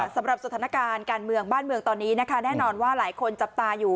สำหรับสถานการณ์การเมืองบ้านเมืองตอนนี้นะคะแน่นอนว่าหลายคนจับตาอยู่